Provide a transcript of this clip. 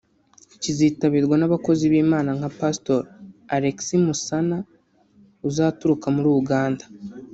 Kizitabirwa n’abakozi b’Imana nka Pastor Alex Musana uzaturuka muri Uganda